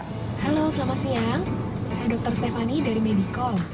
halo selamat siang saya dokter stephanie dari medicall